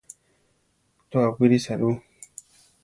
To, awírisa ru.